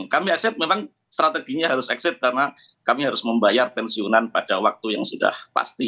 kami aset memang strateginya harus exit karena kami harus membayar pensiunan pada waktu yang sudah pasti